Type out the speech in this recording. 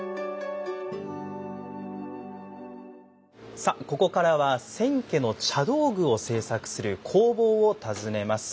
さあここからは千家の茶道具を製作する工房を訪ねます。